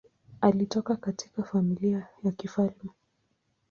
Alitoka katika familia ya kifalme.